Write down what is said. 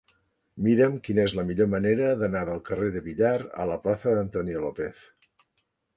Mira'm quina és la millor manera d'anar del carrer de Villar a la plaça d'Antonio López.